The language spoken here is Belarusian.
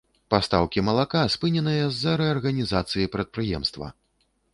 Пастаўкі малака спыненыя з-за рэарганізацыі прадпрыемства.